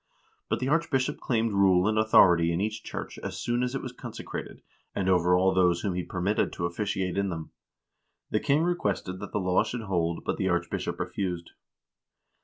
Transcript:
But the archbishop claimed rule and authority in each church as soon as it was consecrated, and over all those whom he permitted to officiate in them. The king requested that the law should hold, but the archbishop refused."